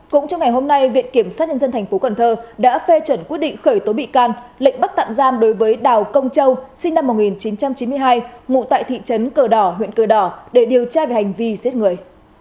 cũng trong ngày hôm nay viện kiểm sát nhân dân tp cn đã phê chuẩn quyết định khởi tố bị can lệnh bắt tạm giam đối với đào công châu sinh năm một nghìn chín trăm chín mươi hai ngụ tại thị trấn cờ đỏ huyện cờ đỏ để điều tra về hành vi giết người